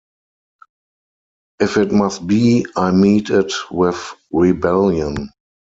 If it must be, I meet it with rebellion.